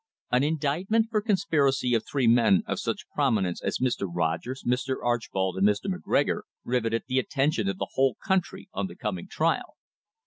An indictment for conspiracy of three men of such promi nence as Mr. Rogers, Mr. Archbold and Mr. McGregor riveted the attention of the whole country on the coming trial.